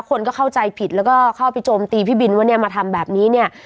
คนก็เข้าใจผิดแล้วก็เข้าไปโจมตีพี่บินว่าเนี่ยมาทำแบบนี้เนี่ย